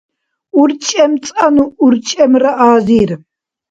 урчӀемцӀанну урчӀемра азир